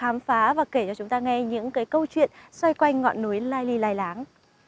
lai ly lai láng